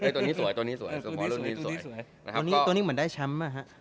ตัวนี้เหมือนได้ช้ำป่ะฮะ